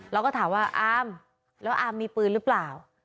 เราก็ถามว่าอามแล้วอามมีปืนหรือเปล่า